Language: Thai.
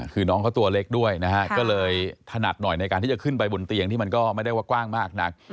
คือน้องเขาตัวเล็กด้วยนะฮะก็เลยถนัดหน่อยในการที่จะขึ้นไปบนเตียงที่มันก็ไม่ได้ว่ากว้างมากนัก